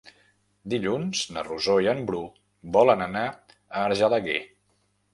Dilluns na Rosó i en Bru volen anar a Argelaguer.